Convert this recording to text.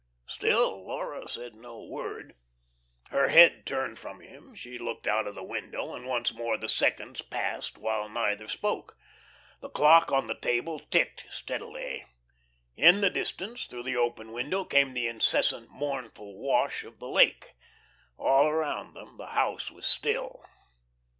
Still Laura said no word. Her head turned from him, she looked out of the window, and once more the seconds passed while neither spoke. The clock on the table ticked steadily. In the distance, through the open window, came the incessant, mournful wash of the lake. All around them the house was still.